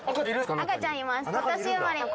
赤ちゃんいます。